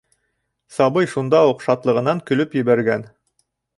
Сабый шунда уҡ шатлығынан көлөп ебәргән.